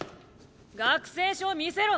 学生証見せろ。